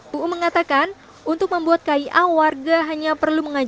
buu mengatakan untuk membuat kia warga hanya perlu mengajar